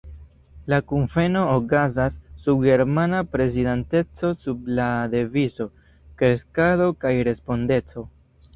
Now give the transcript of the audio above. La kunveno okazas sub germana prezidanteco sub la devizo „kreskado kaj respondeco“.